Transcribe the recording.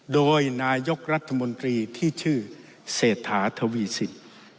โดยนายกรัฐมนตรีที่ชื่อเศรษฐาทวีสิน